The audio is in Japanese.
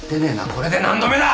これで何度目だ！